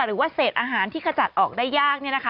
หรือว่าเศษอาหารที่ขจัดออกได้ยาก